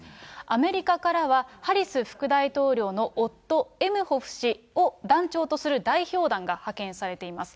アメリカからは、ハリス副大統領の夫、エムホフ氏を団長とする代表団が派遣されています。